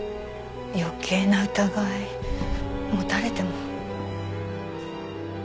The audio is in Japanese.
余計な疑い持たれても。